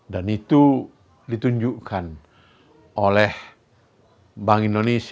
dan itu ditunjukkan oleh bank indonesia